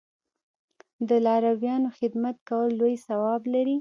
د لارویانو خدمت کول لوی ثواب لري.